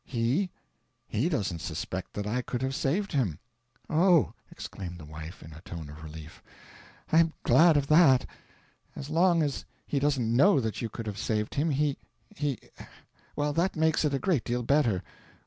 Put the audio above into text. "He? HE doesn't suspect that I could have saved him." "Oh," exclaimed the wife, in a tone of relief, "I am glad of that. As long as he doesn't know that you could have saved him, he he well that makes it a great deal better.